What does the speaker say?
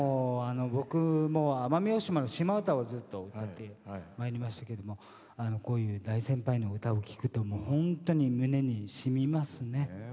僕も、奄美大島の島唄をずっと歌ってまいりましたけどもこういう大先輩の歌を聴くというのは本当に胸にしみますね。